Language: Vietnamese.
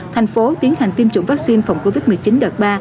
thành phố tiến hành tiêm chủng vaccine phòng covid một mươi chín đợt ba